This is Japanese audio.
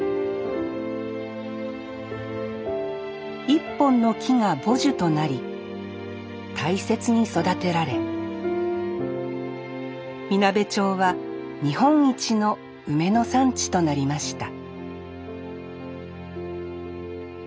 一本の木が母樹となり大切に育てられみなべ町は日本一の梅の産地となりました